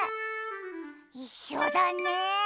いっしょだね。